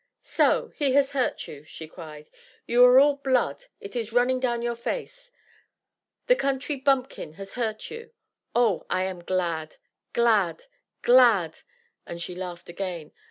"So he has hurt you?" she cried; "you are all blood it is running down your face the Country Bumpkin has hurt you! Oh, I am glad! glad! glad!" and she laughed again.